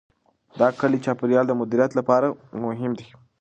دا کلي د چاپیریال د مدیریت لپاره مهم دي.